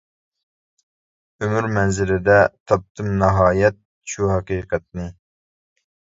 ئۆمۈر مەنزىلىدە تاپتىم ناھايەت شۇ ھەقىقەتنى.